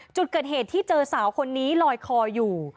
จุดเกิดเหตุที่เจอสาวคนนี้ลอยคออยู่